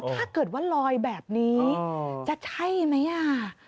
ถ้าเกิดว่าลอยแบบนี้จะใช่ไหม